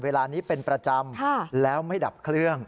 เวลานี้เป็นประจำแล้วไม่ดับเครื่อง